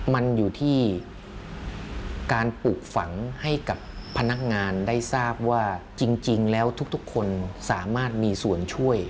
มันอยู่ที่การปลูกฝังให้กับพนักงานได้ทราบว่าจริงแล้วทุกคนสามารถมีส่วนช่วย